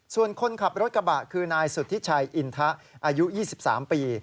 ส่วนคนขับรถกระบะคือนายสุธิชัยอินทะอายุ๒๓ปี